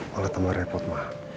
malah tambah repot mah